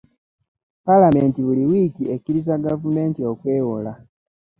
Paalamenti buli wiiki ekkiriza gavumenti okwewola.